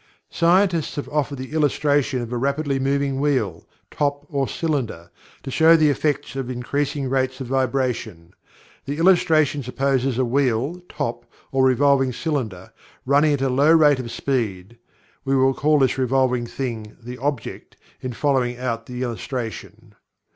Scientists have offered the illustration of a rapidly moving wheel, top, or cylinder, to show the effects of increasing rates of vibration. The illustration supposes a wheel, top, or revolving cylinder, running at a low rate of speed we will call this revolving thing "the object" in following out the illustration.